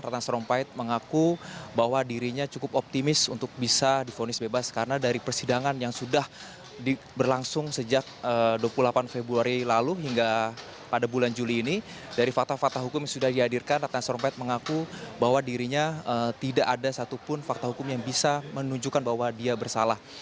ratang sarumpait mengaku bahwa dirinya cukup optimis untuk bisa difonis bebas karena dari persidangan yang sudah berlangsung sejak dua puluh delapan februari lalu hingga pada bulan juli ini dari fakta fakta hukum yang sudah dihadirkan ratang sarumpait mengaku bahwa dirinya tidak ada satupun fakta hukum yang bisa menunjukkan bahwa dia bersalah